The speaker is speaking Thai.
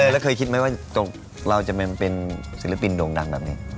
แล้วเคยคิดไหมว่าเราจะมาเป็นศิลปินโด่งดังแบบนี้